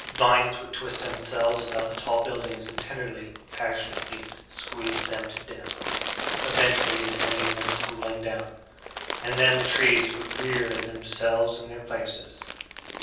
Vines would twist themselves about the tall buildings and tenderly, passionately squeeze them to death ... eventually send them tumbling down. And then the trees would rear themselves in their places.